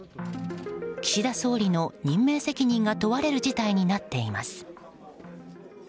岸田総理の任命責任が問われる事態になっています。